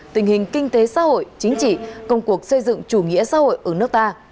tình hình kinh tế xã hội chính trị công cuộc xây dựng chủ nghĩa xã hội ở nước ta